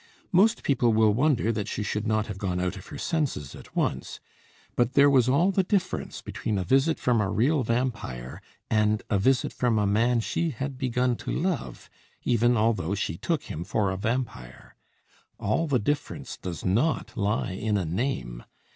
Most people will wonder that she should not have gone out of her senses at once; but there was all the difference between a visit from a real vampire and a visit from a man she had begun to love, even although she took him for a vampire. All the difference does not lie in a name.